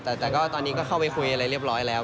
แต่ก็ตอนนี้ก็เข้าไปคุยอะไรเรียบร้อยแล้ว